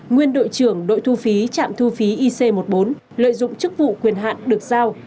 nguyên đội trưởng đội thu phí trạm thu phí ic một mươi bốn lợi dụng chức vụ quyền hạn được giao